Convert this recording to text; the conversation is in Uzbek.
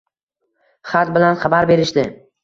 Xat bilan xabar berishdi